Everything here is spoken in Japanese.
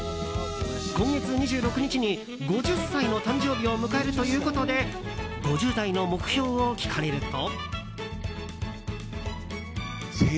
今月２６日に、５０歳の誕生日を迎えるということで５０代の目標を聞かれると。